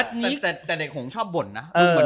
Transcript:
แต่เด็กผมชอบบ่นนะ